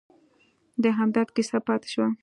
د همدرد کیسه پاتې شوه.